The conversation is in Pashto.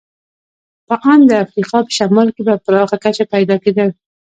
په ان د افریقا په شمال کې په پراخه کچه پیدا کېدل.